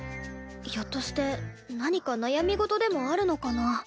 ひょっとして何か悩み事でもあるのかな？